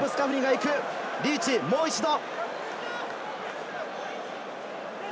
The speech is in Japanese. リーチ、もう一度。